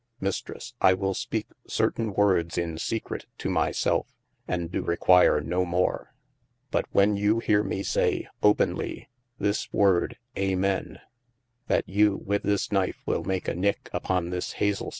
Mistresse I will speake certaine woordes in secrete to my selfe, and doe require no more : but when you heare me saie openly this woorde Amen, that you with this knyfe will make a nicke uppon this Hazell 39° OF MASTER F.